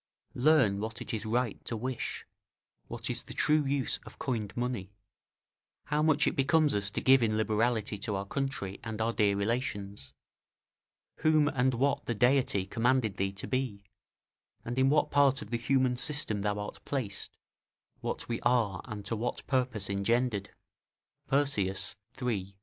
["Learn what it is right to wish; what is the true use of coined money; how much it becomes us to give in liberality to our country and our dear relations; whom and what the Deity commanded thee to be; and in what part of the human system thou art placed; what we are ant to what purpose engendered." Persius, iii.